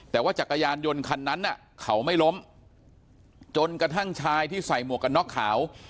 แต่ว่าจักรยานยนต์คันนั้นเขาไม่ล้มจนกระทั่งชายที่ใส่หมวกกันน็อกขาว